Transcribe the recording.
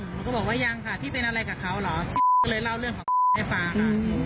หนูก็บอกว่ายังค่ะพี่เป็นอะไรกับเขาเหรอพี่ก็เลยเล่าเรื่องของให้ฟังค่ะ